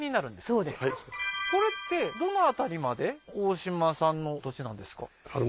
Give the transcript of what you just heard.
そうですはいそれってどの辺りまで大島さんの土地なんですか？